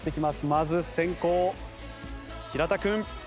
まず先攻平田君。